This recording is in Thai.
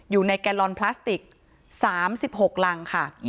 อยู่ในแกลลอนพลาสติก๓๖ลังค่ะ